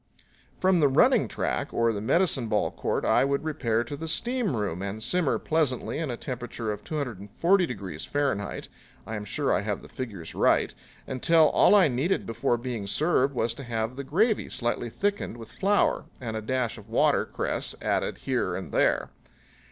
From the running track or the medicine ball court I would repair to the steam room and simmer pleasantly in a temperature of 240 degrees Fahrenheit I am sure I have the figures right until all I needed before being served was to have the gravy slightly thickened with flour and a dash of water cress added here and there.